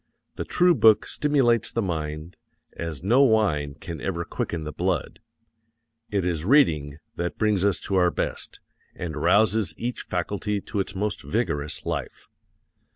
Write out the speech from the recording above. The true book stimulates the mind as no wine can ever quicken the blood. It is reading that brings us to our best, and rouses each faculty to its most vigorous life.